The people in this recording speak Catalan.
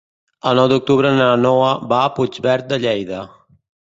El nou d'octubre na Noa va a Puigverd de Lleida.